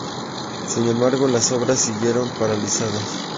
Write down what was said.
Sin embargo las obras siguieron paralizadas.